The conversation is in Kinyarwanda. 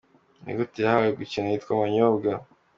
Ni gute yahawe gukina yitwa Manyobwa?.